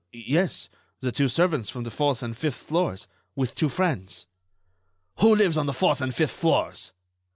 "Yes; the two servants from the fourth and fifth floors, with two friends." "Who lives on the fourth and fifth floors?"